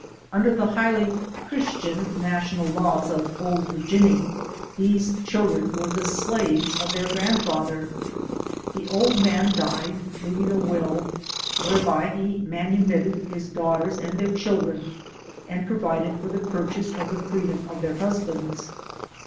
Under the highly Christian national laws of "Old Virgiuny," these children were the slaves of their grandfather. The old man died, leaving a will, whereby he manu mitted his daughters and their children, and pro vided for the purchase of the freedom of their hus bands.